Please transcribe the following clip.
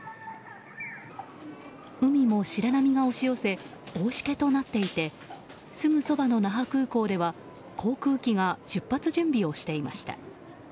海も白波が押し寄せ大しけとなっていてすぐそばの那覇空港では航空機が出発準備をしていました。